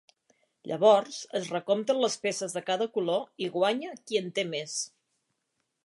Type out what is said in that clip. Llavors es recompten les peces de cada color i guanya qui en té més.